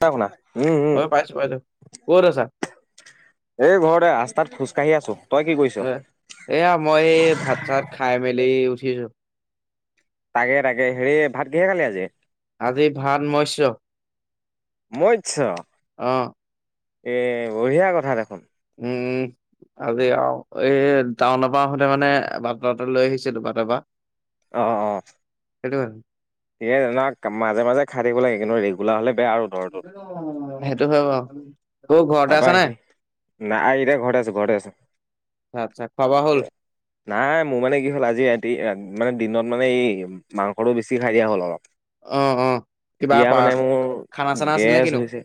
চা উম - উম। হয় পাইছো পাইছো ক'ত আছা এ ঘৰতে ৰাস্তাত খোজকাঢ়ি আছো। তই কি কৰিছ অ, এয়া মই ভাত চাত খাই মেলি উঠিছো। তাকে - তাকে হেৰি ভাত কিহেৰে খালি আজি? আজি ভাত মৈশ্য। মৈশ্য। অহ ', এ বঢ়িয়া কথা দেখোন। উম, আজি আৰু এই টাউনৰ পৰা সোতে মানে বাট লৈ আহিছিলো বাটৰ পৰা। অ - অ। সেইটো হয় ন। স জান মাজে - মাজে খাই থাকিব লাগে কিন্তু ৰেগুলাৰ হ'লে বেয়া আৰু দৰটো সেইটো হয় বাৰু। অ ঘৰতে তাৰপা আছা নাই সে- না এতিয়া ঘৰত আছোঁ - ঘৰতে আছোঁ। আচ্ছা খোৱা বোৱা হ'ল নাই, মোৰ মানে কি হ'ল, আজি ৰাতি মানে দিনত মানে এই মাংসটো বেছি খাই দিয়া হ'ল অলপ। অ অ কিবা এতিয়া পা মানে মোৰ খানা চানা আছিল নে গেছ কিনো হৈছে।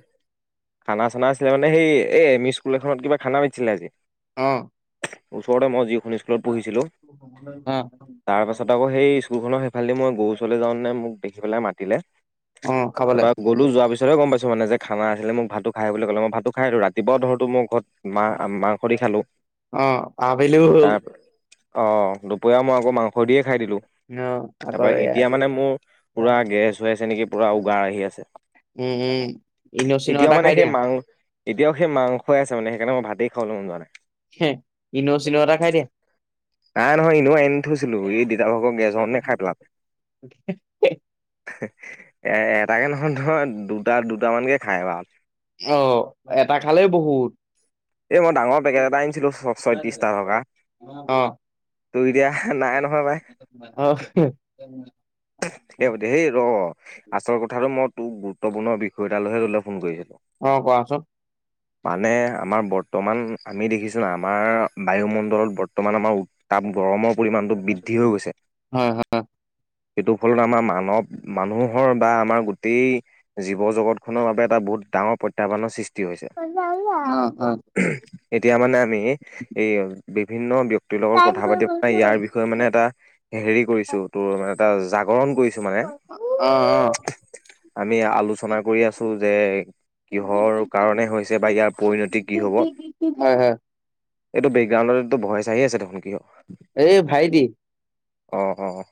খানা-চানা আছিলে মানে, সেই এই এম ই স্কুল এখনত কিবা খানা মাতিছিলে আজি। অ'। ওচৰতে মই যিখন ইস্কুলত পঢ়িছিলোঁ। অ তাৰ পাছত আকৌ সেই স্কুলখনৰ সেইফালেদি মই গৰু ওচৰলৈ যাওঁ নে মোক দেখি পেলাই মাতিলে। অ খাবলে তাৰপৰা গ'লো। যোৱা পিছ তে গম পাইছোঁ মানে খানা আছিলে। মোক ভাতটো খায় বুলি ক'লে। মোক ভাতটো খাই আহিলোঁ। ৰাতিপুৱা ধৰো তো মোৰ ঘৰত মা - মাংস দি খালোঁ। অ আবেলিও হ'ল তাৰ অ', দুপৰীয়া মই আকৌ মাংস দিয়ে খাই দিলোঁ। অ আকৌ তাৰপৰা এ এতিয়া মানে মোৰ পুৰা গেছ হৈ আছে নেকি? পুৰা উগাৰ আহি আছে। উম - উম, ইন'- চিন' এটা খাই দিয়া। এতিয়া সেই মাংসই আছে মানে। সেইকাৰণে মই ভাতেই খাবলৈ মন যোৱা নাই। হে ইন' চিন' এটা খাই দিয়া। নাই নহয়। ইন' আনি থৈছিলোঁ। এই দেউতাকৰ অকণ গেছ হওঁতে খাই পেলা হঁ- এটাকে নহয়, ধৰা দুটা- দুটামানকে খায় বা অ' এটা খালেই বহুত। এ মই ডাঙৰ পেকেট এটা আনিছিলোঁ। ছ- ছয়ত্ৰিশটা থকা। অ', তো এতিয়া নাই নহয়, ভাই। অ', সে হ'ব দে ৰ', আচল কথাটো ম তোক গুৰুত্বপূৰ্ণ বিষয় এটা লৈহে তোলে ফোন কৰিছোঁ। অ' কোৱাচোন। মানে আমাৰ বৰ্তমান আমি দেখিছোঁ না, আমাৰ বায়ুমণ্ডলত বৰ্তমান আমাৰ উত্তাপ গৰমৰ পৰিমাণটো বৃদ্ধি হৈ গৈছে। হয়, হয়, সেইটো ফলত আমাৰ মানৱ- মানুহৰ বা আমাৰ গোটেই জীৱ-জগতখনৰ বাবে এটা বহুত ডাঙৰ প্ৰত্যাহ্বানৰ সৃষ্ [unintelligible] এতিয়া মানে আমি, এই বিভিন্ন ব্যক্তিৰ লগত কথা পাতি পাই ইয়াৰ বিষয়ে মানে এটা হেৰি কৰিছোঁ, তোৰ মানে এটা জা গৰণ কৰিছোঁ মানে। অ', অ', আমি আলোচনা কৰি আছোঁ যে কিহৰ কাৰণে হৈছে বা ইয়াৰ পৰিণতিক হয় - হয়। এইটো বেকগ্ৰাউণ্ডত ইটো ভইচ আহি আছে দেখোন, কিয়? এই ভাইটি। অ' - অ',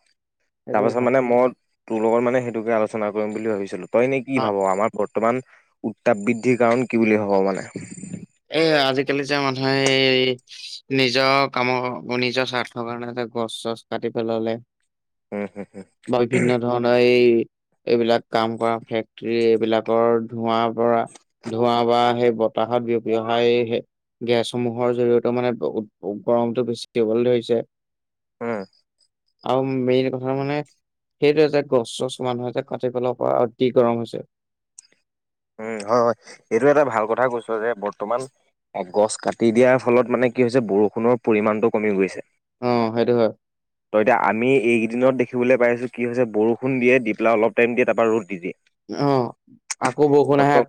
সেইটো তাৰপাছত হয়। মানে মই, তোৰ লগত মানে সেইটোকে আলোচনা কৰিম বুলি ভাবিছিলোঁ। তই নে কি অ', ভাব, আমাৰ বৰ্তমান উত্তাপ বৃদ্ধিৰ কাৰণ কি বুলি ভাব মানে? এ আজিকালি যে মানুহে এই নিজৰ কামৰ, নিজৰ স্বাৰ্থৰ কাৰণে এটা গছ-চছ কাটি পেলালে। উম হম বা বিভিন্ন ধৰণৰ এই এইবিলাক কাম কৰা ফেক্টৰী এইবিলাকৰ ধোৱাৰ পৰা ধোৱা বা সেই বতাহত বি অহা এই হে- গেছসমূহৰ জৰিয়তেও মানে উ- উ- গৰমটো বেছিকে হবলৈ ধৰিছে। উম। আৰু মেইন কথা মানে সেইটোৱে যে গছ-চছ মানুহে যে কাটি পেলা পৰা অতি গৰম হৈছে। উম, হয় - হয়। এইটো এটা ভাল কথা কৈছ যে, বৰ্তমান গছ কাটি দিয়াৰ ফলত মানে কি হৈছে, বৰষুণৰ পৰিমমানতটো কমি গৈছে। অ সেইটো হয় তো এতিয়া আমি এইকেইদিনত দেখি দেখিবলৈ পাইছোঁ কি হৈছে বৰষুন দিয়ে দি পেলাই অলপটাইম দিয়ে টাপা ৰদ দি দিয়ে। অহ। বৰ্ত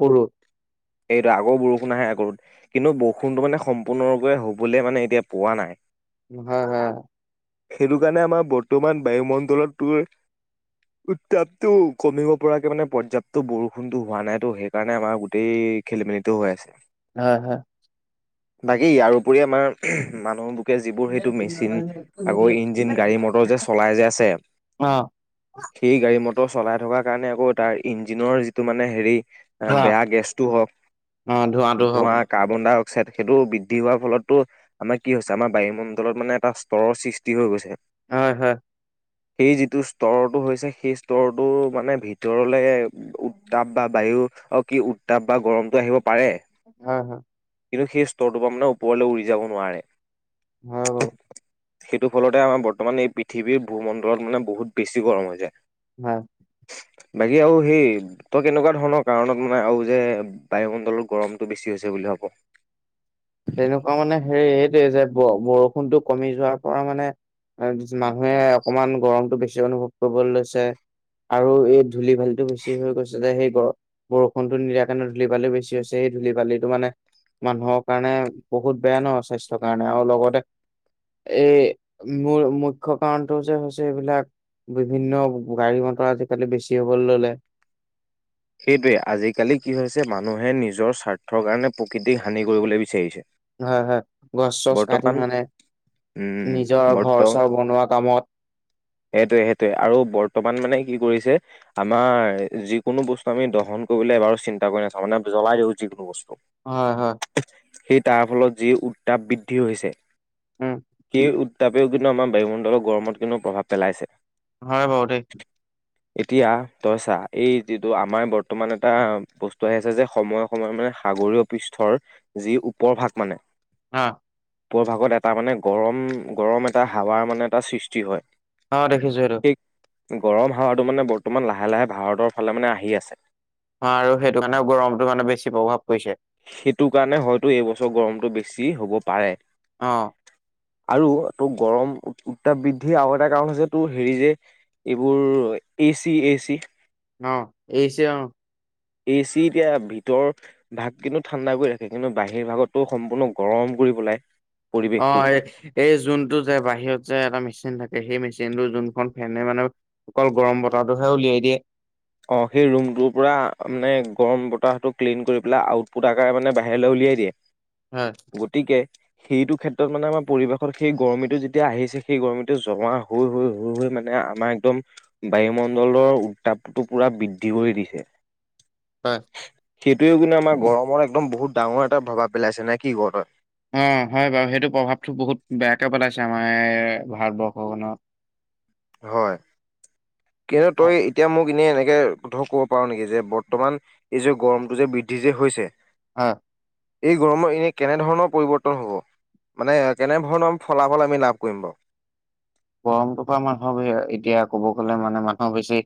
এইটো আকৌ বৰষুণাহে আগৰত। কিন্তু বৰষুণটো মানে সম্পূৰ্ণৰূপে হ'বলৈ মানে এতিয়া পোৱা নাই। হা হা সেইটো কাৰণে আমাৰ বৰ্তমান বায়ুমণ্ডলটোৰ। উত্তাপটো কমিব পৰাকে মানে পৰ্যাপ্ত বৰষুণতো হোৱা নাই। টো সেইকাৰণে আমাৰ গোটেই খেলি মেলিতটো হৈ আছে। হা হা বাকী ইয়াৰপৰি আমাৰ মানুহ যিবোৰ সেইটো মেচিন আগৌ ইঞ্জিন গাড়ী মটৰ যে চলাই যে আছে। অ সেই গাড়ী মটৰ চলাই থকাৰ কাৰণে আকৌ তাৰ ইঞ্জিনৰ যিটো মানে হেৰি। এ ধোঁৱা বেয়া গেছতটো হওক অ ধোঁৱাটো হওক ধোৱা কাৰ্বন দা ট সেইটো বৃদ্ধি হোৱাৰ ফলতো আমাৰ কি হৈছে আমাৰ বায়ুমণ্ডলত মানে এটা স্তৰৰ সৃষ্টি হৈ গৈছে। হয়-হয়। সেই যিটো স্তৰটো হৈছে, সেই স্তোৰটো মানে ভিতৰলে উত্তাপ বা বায়ু [inaudible] কি উত্তাপ বা গৰমটো আহিব পাৰে। হয় হয় কিন্তু সেই স্তৰটোৰ পৰা মানে ওপৰলৈ উৰি যাব নোৱাৰে। হয় বাৰু সেইটো ফলতে আমাৰ বৰ্তমান এই পৃথিৱীৰ ভূমণ্ডলত মানে বহুত বেছি গৰম হৈ যায়। হয়। বাকী আৰু সেই তই কেনেকুৱা তে ধৰণৰ কাৰণত মানে আৰু যে বায়ুমণ্ডলৰ গৰমটো বেছি হৈছে বুলি ভাবো। তেনেকুৱা মানে হে এইটোৱে যে বৰষুণটো কমি যোৱাৰ পৰা মানে মানুহে অকমান গৰমতটো বেছি অনুভৱ কৰিবলৈ লৈছে। আৰু এই ধূলি ভালটো বেছি হৈ গৈছে যে, সেই বৰষুণটো নিদিয়াৰ কাৰণে ধূলি ভাল বেছি হৈছে সেই ধূলি-বালিটো মানে মানুহৰ কাৰণে বহুত বেয়া ন স্বাস্থ্যৰ কাৰণে আৰু লগতে এই মোৰ মুখ্য কাৰণটো যে হৈছে এইবিলাক বিভিন্ন গাড়ী-মটৰ আজিকালি বেছি হ'বলৈ ললে। সেইটোৱে আজিকালি কি হৈছে মানুহে নিজৰ স্বাৰ্থৰ কাৰণে প্ৰকৃতিক হানি কৰিবলৈ বিচাৰিছে। হয়-হয় গছ চছ কাটি বৰ্তমান মানে উম নিজৰ বৰ্ত ঘৰ-চৰ বনোৱা কামত সেইটোৱে সেইটোৱে আৰু বৰ্তমান মানে কি কৰিছে আমাৰ যিকোনো বস্তু আমি দহন কৰিবলে এবাৰো চিন্তা কৰি নাথাকো মানে জ্বলাই দিও যিকোনো বস্তু। হয়-হয়। সেই তাৰ ফলত যি উত্তাপ বৃদ্ধি হৈছে উম সেই তথাপিও কিন্তু আমাৰ বায়ুমণ্ডলৰ গৰমত কিন্তু প্ৰভাৱ পেলাইছে। হয় বাৰু দেই। এতিয়া তই চা এই যি তো আমাৰ বৰ্তমান এটা বস্তু আহি আছে যে, সময়ে- সময়ে মানে সাগৰীয় পৃষ্ঠৰ যি উপ ৰ ভাগ মানে অ'। ওপৰ ভাগত এটা মানে গৰম, গৰম এটা হাৱাৰ মানে এটা সৃষ্টি হয়। অ' দেখিছো সেইটো। সেই গৰম হাৱাটো মানে বৰ্তমান লাহে-লাহে ভাৰতৰ ফালে মানে আহি আছে। অ' আৰু সেইটো কাৰণে গৰমটো মানে বেছি প্ৰভাৱ পৰিছে। টো বেছি হ'ব পাৰে। অ'। আৰু তোৰ গৰম উত্তাপ বৃদ্ধি আৰু এটা কাৰণ হৈছে তোৰ হেৰি যে এইবোৰ এ চি, এ চি। অহ এচি অ' এচি এতিয়া ভিতৰ ভাগ কিন্তু ঠাণ্ডা কৰি ৰাখে কিন্তু বাহিৰ ভাগতো সম্পূৰ্ণ গৰম। কৰি পেলাই পৰিৱেশটো অ' এই এই যোনটো যে বাহিৰত যে এটা মেচিন থাকে। সেই মেচিনটো যোনখন ফেনে মানে অকল গৰম বতাহটোহে উলিয়াই দিয়ে। অ' সেই ৰুমটোৰ পৰা মানে গৰম বতাহটো ক্লিন কৰি পেলাই আউটপুট আকাৰে মানে বাহিৰলৈ উলিয়াই উলিয়াই হয় দিয়ে গতিকে সেইটো ক্ষেত্ৰত মানে আমাৰ পৰিৱেশত সেই গৰমিতটো যেতিয়া আহিছে সেই গৰমিটো জমা হৈ হৈ হৈ মানে আমাক একদম বায়ুমণ্ডলৰ উত্তাপটো পুৰা বৃদ্ধি কৰি দিছে। হয়। সেইটোৱে কিন্তু আমাৰ গৰমৰ একদম বহুত ডাঙৰ এটা প্ৰভাৱ পেলাইছে নে কি কৱ তই। অ হয় বাৰু সেইটো প্ৰভাৱটো বহুত বেয়াকে পেলাইছে আমাৰ ভাৰতবৰ্ষখনত। হয় কিন্তু তই এতিয়া মোক এনে একে ধৰক কব পাৰো নেকি যে বৰ্তমান এই যে গৰমটো যে বৃদ্ধি যে হৈছে অ'। এই গৰমৰ এনে কেনেধৰণৰ পৰিৱৰ্তন হব। মানে কেনেধৰণৰ ফলাফল আমি লাভ কৰিম বাৰু। গৰমটো পৰা মানুহৰ এতিয়া কব গ'লে মানে মানুহৰ বেছি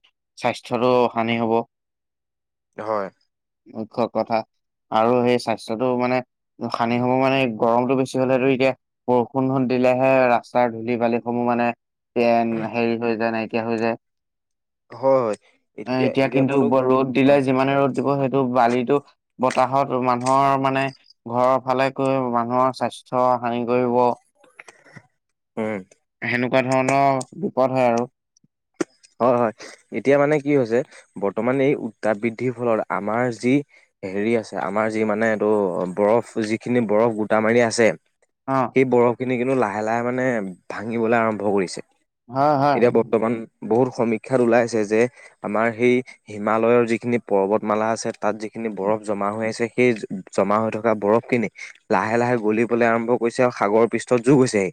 স্বাস্থ্যটো হানি হব। [inaudible] হয়। মুখ্য কথা। আৰু সেই স্বাস্থ্যটো মানে সানি হ'ব মানে গৰমটো বেছি হলেতটো এতিয়া বৰষুণ দিলেহে ৰাস্তাৰ ধূলি বালিসমূহ মানে এ হেৰি হৈ যায় নাইকিয়া হৈ যায়। এ হয় হয় এতিয়া কিন্তু মই তোক ৰ'দ দিলে অ যিমানে ৰ'দ সেইটো বালিটো বতাহত মানুহৰ মানে ঘৰৰ ফালে কৈ মানুহৰ স্বাস্থ্য স হানি কৰিব। হয়। এনেকুৱা ধৰণৰ বিপদ হয় আৰু। হয় হয় এতিয়া মানে কি হৈছে বৰ্তমান এই উত্তাপ বৃদ্ধিৰ ফলত আমাৰ যি হেৰি আছে আমাৰ যি মানে এইটো বৰফ যিখিনি বৰফ গোটা মাৰি আছে অ সেই বৰফখিনি কিন্তু লাহে লাহে মানে ভাঙিবলৈ আৰম্ভ কৰিছে। হা হা। এতিয়া বৰ্তমান বহুত সমীক্ষাত ওলাইছে যে আমাৰ সেই হিমালয়ৰ যিখিনি পৰ্বতমালা আছে তাত যিখ খিনি বৰফ জমা হৈ আছে সেই জমা হৈ থকা বৰফ খিনি লাহে লাহে গলিবলৈ আৰম্ভ কৰিছে আৰু। সাগৰ পৃষ্ঠত যোগগ হৈছেহি।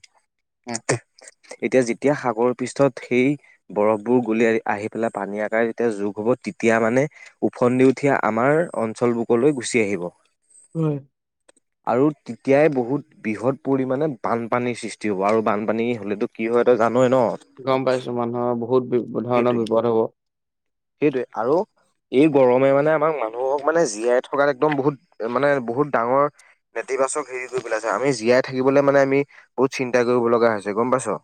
এতিয়া যেতিয়া সাগৰ পিছত সেই বৰফবোৰ গলি আহি পেলাই পানী আকাৰে যেতিয়া যোগ হ'ব তেতিয়া মানে ওফন্দি উঠি আমাৰ অঞ্চল বুকলৈ গুচি আহিব। হোম। আৰু তেতিয়াই বহুত বৃহৎ পৰিমানে বানপানীৰ সৃষ্টি হ'ব আৰু বানপানী হলেটো কি হয় তই জান গম পাইছো মানুহৰ বহুত বি ধৰণৰ সেইটোৱে বিপদ হব। সেইটোৱে আৰু এই গৰমে মানে আমাক মানুহক মানে জীয়াই থকাত একদম বহুত মানে বহুত ডাঙৰ ই বাছক হেৰি কৰি পেলাইছে আমি জীয়াই থাকিবলৈ মানে আমি বহুত চিন্তা কৰিব লগা হৈছে গম পাইছ।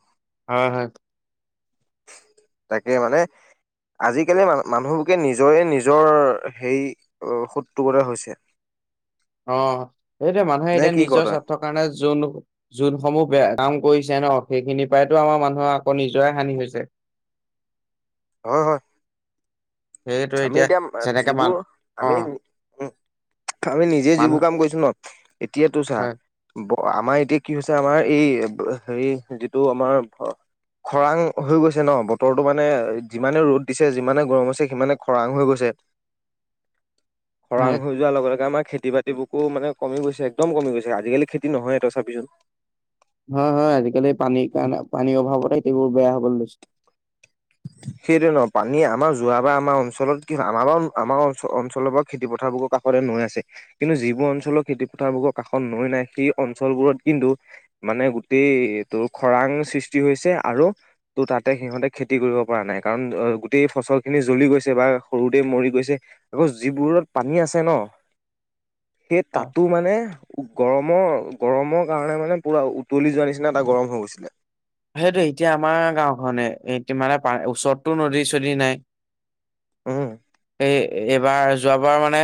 হয় হয়। [unintelligible] তাকে মানে আজিকালি মানুহবুকে নিজৰে নিজৰ হেই শত্ৰু গতে হৈছে। অ, সেইটো মানুহে নে এতিয়া কি ক নিজৰ তই? স্বাৰ্থৰ কাৰণে যোন যোনসমূহ বেয়া কাম কৰিছে ন। সেইখিনি পায়েটো আমাৰ মানুহৰ আকৌ নিজৰে হানি হৈছে। হয়, হয়। সেইটো আমি এতিয়া যেনেকে মান যিবোৰ অ আমি উ আমি নিজে মানুহ যিবোৰ কাম কৰিছো ন এতিয়াতো চা হয় আমাৰ এতিয়া কি হৈছে, আমাৰ এই হেৰি যিটো আমাৰ খৰাং হৈ গৈছে ন? বতৰটো মানে যিমানে ৰ'দ দিছে, যিমানে গৰম হৈছে সিমানে খৰাং হৈ গৈছে। খৰাং হয় হৈ যোৱাৰ লগে লগে আমাৰ খেতি-বাতিবোৰকো মানে কমি গৈছে, একদম কমি গৈছে। আজি-কালি খেতি নহয়ে তই চাবিচোন। হয়, হয় আজিকালি পানীৰ কাৰণে পানীৰ অভাৱতে খেতিবোৰ বেয়া হবলে লৈছে। [inaudible] সেইটোৱে নহ পানী আমাৰ যোৱা বা আমাৰ অঞ্চলত কি আমাৰ বাও আমাৰ অন অন অঞ্চলৰ পৰা খেতিপথাৰবোৰৰ কাষতে নৈ আছে। কিন্তু যিবোৰ অঞ্চলৰ খেতি পথাৰবোৰৰ কাষত নৈ নাই, সেই অঞ্চলবোৰত কিন্তু মানে গোটেই তোৰ খৰাং সৃষ্টি হৈছে আৰু তোৰ তাতে সিহঁতে খে তি কৰিব পৰা নাই, কাৰণ অ গোটেই ফচল খিনি জ্বলি গৈছে বা সৰুতে মৰি গৈছে। আকৌ যিবোৰত পানী আছে ন। [inaudible] সেই অ তাতো মানে গৰমৰ- গৰমৰ কাৰণে মানে পুৰা উতলি যোৱাৰ নিচিনা এটা গৰম হৈ গৈছিলে। সেইটোৱে। এতিয়া আমাৰ গাওঁখনে এ মানে ওচৰতটো নদী চদী নাই। উম এই এইবাৰ যোৱাবাৰ মানে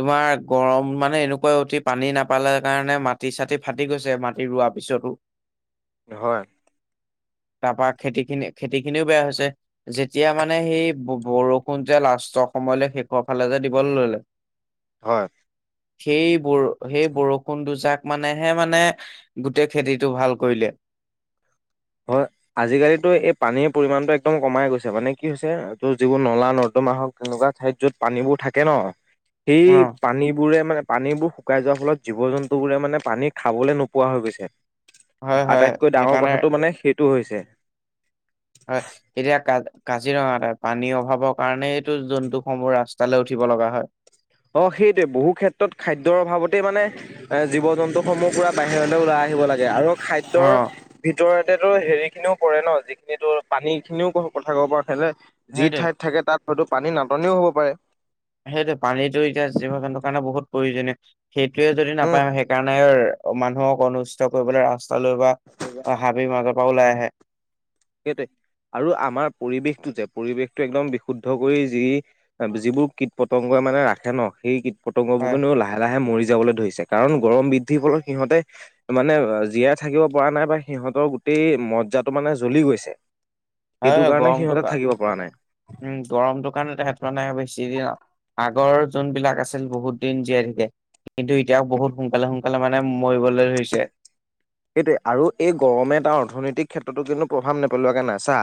তোমাৰ গৰম মানে এনেকুৱা অতি পানী নাপালে কাৰণে নে মাটি-চাটি ফাটি গৈছে মাটি ৰোৱা পিছতো। হয়। [inaudible] তাৰ পৰা খেতি খিনি- খেতি খিনিও বেয়া হৈছে, যেতিয়া মানে সেই বৰষুণ যে লাষ্টৰ স সময়লে শেষৰ ফালে যে দিবলে ল'লে হয়। সেই বৰ সেই বৰষুণ দুজাক মানেহে মানে গোটেই খেতিটো ভাল কৰিলে। [inaudible] হয়। আজি-কালিতো এই পানীৰ পৰিমানটো একদম কমাই গৈছে। মানে কি হৈছে ত যিবোৰ নলা নৰ্দমা হওঁক তেনে কুৱা ঠাইত য'ত পানীবোৰ থাকে ন, সেই অ পানীবোৰে মানে পানীবোৰ শুকাই যোৱাৰ ফলত জীৱ-জন্তু বোৰে মানে পানী খাবলৈ নোপোৱা হৈ গৈছে। হয়-হয় আটাইতকৈ ডাঙৰ সেইকাৰণে কথাটো মানে সেইটো হৈছে। হয়, এতিয়া কা কাজিৰঙাতে পানীৰ অভাৱৰ কাৰণেই এইটো জন্তু সমূহ ৰাস্তালৈ উঠি ব লগা হয়। অ', সেইটোৱে। বহু ক্ষেত্ৰত খাদ্যৰ অভাৱতেই মানে এ জীৱ-জন্তুসমূহ পুৰা বাহিৰ লে ওলাই আহিব লাগে আৰু অ খাদ্যৰ ভিতৰতেটো হেৰি খিনিও পৰে ন। যিখিনি তোৰ পানী খিনিও কথা ক'ব পাৰোঁ [unintelligible] যি সেইটোৱে ঠাইত থাকে তাত হয়তো পানীৰ নাটনিও হ'ব পাৰে। সেইটোৱে। পানীটো এতিয়া জীৱ-জন্তুৰ কাৰণে বহুত প্ৰয়োজনীয়। সেইটোৱে যদি উম নাপায় সেইকাৰণে মানুহক অনিষ্ট কৰিবলৈ ৰাস্ত স্তালৈ বা হাবিৰ মাজৰ পৰা ওলাই আহে। সেইটোৱে। আৰু আমাৰ পৰিৱেশটো যে। পৰিৱেশটো একদম বিশুদ্ধ কৰি যি যিবোৰ কীট-পতংগই মানে ৰাখে ন, সেই কীট পতংগবোৰ হয়। কিন্তু লাহে-লাহে মৰি যাবলে ধৰিছে, কাৰণ গৰম বৃদ্ধিৰ ফলত সিহঁতে মানে জীয়াই থাকিব পৰা নাই বা সিহঁতৰ গোটেই মজ্জাটো মানে জ্বলি গৈছে। সেইটো হয়-হয়। কাৰণে গৰমটো সিহঁতে কা, থাকিব পৰা নাই। উম, গৰমটো কাৰণে তেহেত মানে বেছ [unintelligible] আগৰ যোনবিলাক আছিল বহুত দিন জীয়াই থাকে, কিন্তু এতিয়াও বহুত সোনকালে সোন কালে মানে মৰিবলে ধৰিছে। সেইটোৱে আৰু এই গৰমে তাৰ অৰ্থনৈতিক ক্ষেত্ৰতো কিন্তু প্ৰভাৱ নেপেলোৱাকে নাই, চা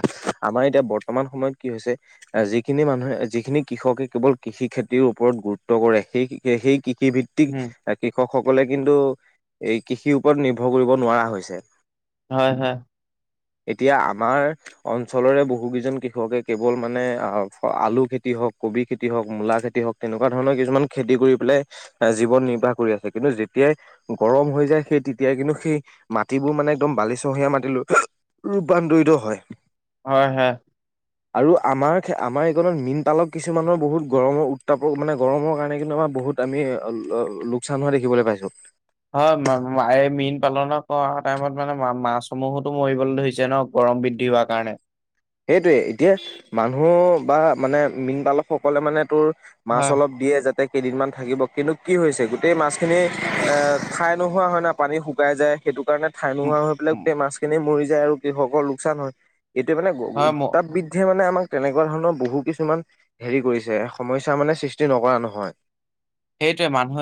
আমাৰ এতিয়া বৰ ৰ্তমান সময়ত কি হৈছে, এ যিখিনি মানুহে যিখিনি কৃষকে কেৱল কৃষি খেতিৰ ওপৰত গুৰুত্ব কৰে সেই-সেই কৃষি ভিত্তিক উম কৃষকসকলে কিন্তু এই কৃষিৰ ওপৰত নিৰ্ভৰ ৰ্ভৰ কৰিব নোৱাৰা হৈছে। হয়-হয়। এতিয়া আমাৰ অঞ্চলৰে বহু কেইজন কৃষকে কেৱল মানে আলু খে খেতি হওক কবি খেতি হওক মূলা খেতি হওক তেনেকুৱা ধৰণৰ কিছুমান খেতি কৰি পেলাই জীৱন নিৰ্বাহ কৰি আছে, কিন্তু যেতিয়াই গৰম হৈ যায়, সেই তে তিয়া কিন্তু সেই মাটিবোৰ মানে একদম বালিচহীয়া মাটিলৈ ৰূপান্তৰিত হয়। হয়-হয়। আৰু আমাৰ-আমাৰ এইকত মীনপালক কিছুমানৰ বহুত গৰমৰ উত্তাপক মানে গৰমৰ কাৰণে কিন্তু বহুত আমি লোকচান হোৱা দেখিবলে পাইছো। হয় ম মীন পালন কৰা টাইমত মানে মাছসমূহোতো মৰিবলৈ ধৰিছে ন গৰম বৃদ্ধি হোৱা কাৰণে। সেইটোৱে এতিয়া মানুহ বা মানে মীনপালকসকলে মানে তোৰ। মাছ হয় অলপ দিয়ে যাতে। তা কেইদিনমান থাকিব কিন্তু কি হৈছে গোটেই মাছখিনি এ ঠাই নোহোৱা হয় না পানী শুকাই যায়। সেইটো কাৰণে ঠাই উম, নোহোৱা হৈ পেলাই উম, মাছখিনি মৰি যায় আৰু কৃষকৰ লোকচান হয় এইটো মানে। হয় ম- উত্তাপ বৃদ্ধে মানে আমাক। তেনেকুৱা ধৰণৰ বহু কিছুমান হেৰি কৰিছে সমস্যা মানে সৃষ্টি নকৰা নহয় সেইটোৱে মানুহে।